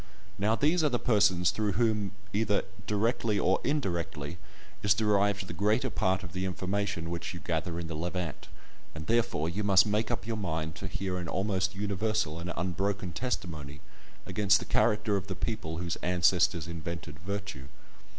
Now these are the persons through whom, either directly or indirectly, is derived the greater part of the information which you gather in the Levant, and therefore you must make up your mind to hear an almost universal and unbroken testimony against the character of the people whose ancestors invented virtue.